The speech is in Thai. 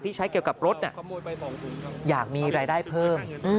ใช้เกี่ยวกับรถอยากมีรายได้เพิ่ม